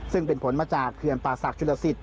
ซึ่งเป็นผลมาจากเครื่องป่าศักดิ์ชุดละศิษย์